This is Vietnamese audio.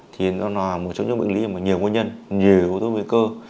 thì nó là một trong những bệnh lý mà nhiều nguyên nhân nhiều nguyên cơ